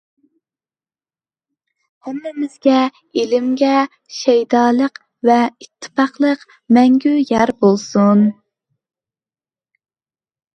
ھەممىمىزگە ئىلىمگە شەيدالىق ۋە ئىتتىپاقلىق مەڭگۈ يار بولسۇن!